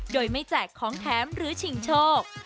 โดยไม่แจกของแถมหรือชิงโชค